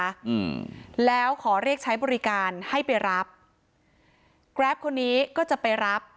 อืมแล้วขอเรียกใช้บริการให้ไปรับแกรปคนนี้ก็จะไปรับ